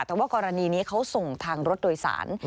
แต่ว่ากรณีนี้เขาส่งทางรถโดยสาร